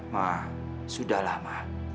ma sudahlah ma